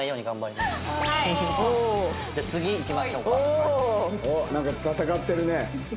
おっなんか戦ってるね。